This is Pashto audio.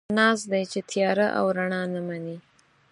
ناز دی، چې تياره او رڼا نه مني